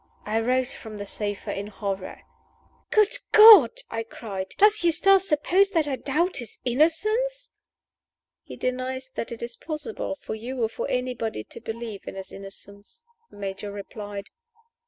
I rose from the sofa in horror. "Good God!" I cried, "does Eustace suppose that I doubt his innocence?" "He denies that it is possible for you or for anybody to believe in his innocence," the Major replied.